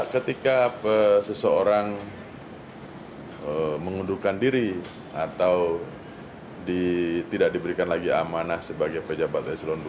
ketika seseorang mengundurkan diri atau tidak diberikan lagi amanah sebagai pejabat eselon dua